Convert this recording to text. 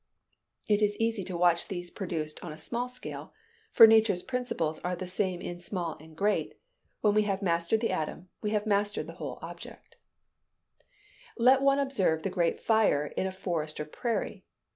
It is easy to watch these produced on a small scale; for nature's principles are the same in small and great: when we have mastered the atom, we have mastered the whole object. [Illustration: SCENE AT OLNEY, ILL.] Let one observe a great fire in a forest or prairie.